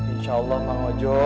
insya allah bang hojo